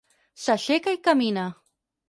S'aixeca i camina.